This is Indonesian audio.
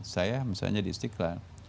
saya misalnya di istiqlal